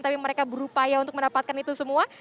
tapi mereka berupaya untuk mendapatkan itu semua